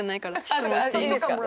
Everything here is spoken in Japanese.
質問していいですか？